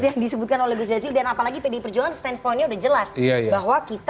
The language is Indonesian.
yang disesuaikan oleh gus yajilo dan apalagi di perjuangan stand pointnya udah jelas bahwa kita